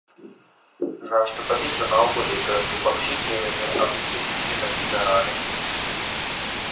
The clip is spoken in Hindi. राष्ट्रपति चुनाव को लेकर विपक्षी खेमे में अभी से दिखने लगी दरारें